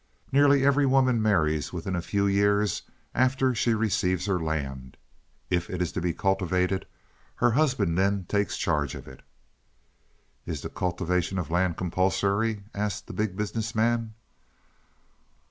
Nearly every woman marries within a few years after she receives her land; if it is to be cultivated, her husband then takes charge of it." "Is the cultivation of land compulsory?" asked the Big Business Man.